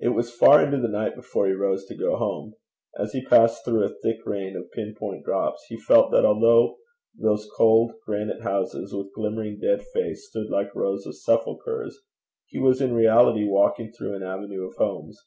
It was far into the night before he rose to go home. As he passed through a thick rain of pin point drops, he felt that although those cold granite houses, with glimmering dead face, stood like rows of sepulchres, he was in reality walking through an avenue of homes.